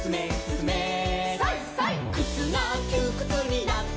「くつがきゅーくつになったなら」